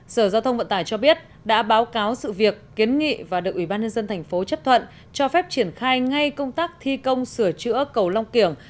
sở giao thông vận tải cho biết đã báo cáo sự việc kiến nghị và được ủy ban nhân dân thành phố chấp thuận cho phép triển khai ngay công tác thi công sửa chữa cầu long kiểng